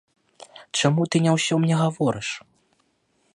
Чаму ты не ўсё мне гаворыш?